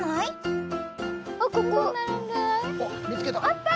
あった！